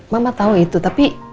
mama tau itu tapi